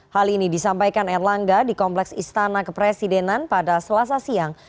hal ini disampaikan erlangga di kompleks istana kepresidenan pada selasa siang